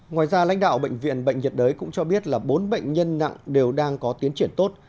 ngoài ra lãnh đạo bệnh viện bệnh nhiệt đới cũng cho biết là bốn bệnh nhân nặng đều đang có tiến triển tốt